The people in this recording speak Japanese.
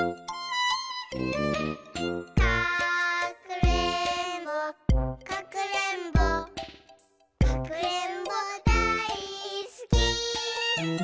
「かくれんぼかくれんぼかくれんぼだいすき」